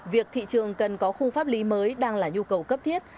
việc thị trường cần có khung pháp lý mới đang là nhu cầu cấp thiết